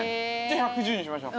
１１０にしましょう。